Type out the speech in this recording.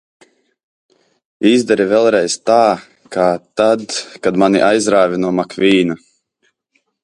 Izdari vēlreiz tā, kā tad, kad mani aizrāvi no Makvīna!